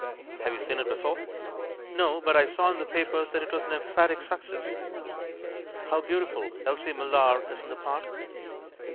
"Have you seen it before?" "No; but I saw in the papers that it was an 'emphatic success.' How beautiful Elsie Millar is in the part!"